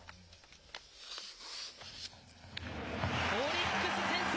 オリックス先制！